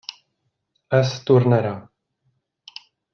S. Turnera.